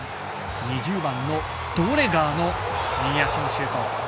２０番のドレガーの右足のシュート。